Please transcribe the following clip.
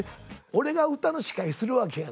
俺が歌の司会するわけがない。